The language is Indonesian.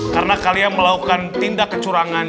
karena kalian melakukan tindak kecurangan